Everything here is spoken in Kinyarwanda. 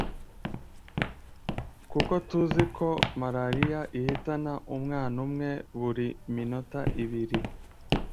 kuko tuzi ko Malariya ihitana umwana umwe buri minota ibiri